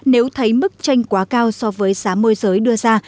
nếu thấy mức tranh quá cao so với giá môi giới đưa ra